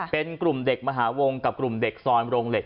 เป็นกลุ่มเด็กมหาวงกับกลุ่มเด็กซอยโรงเหล็ก